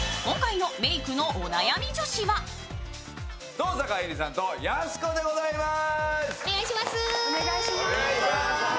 登坂絵莉さんとやす子でございます。